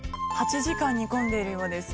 ８時間煮込んでいるようです。